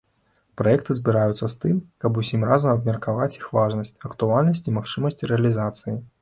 Праекты збіраюцца з тым, каб усім разам абмеркаваць іх важнасць, актуальнасць і магчымасці рэалізацыі.